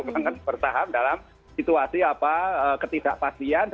akan bertahan dalam situasi ketidakpastian